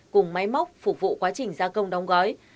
cùng máy móc phục vụ quá trình gia công đóng gói